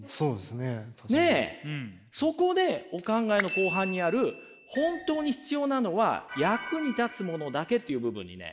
そこでお考えの後半にある「本当に必要なのは役に立つものだけ」という部分にね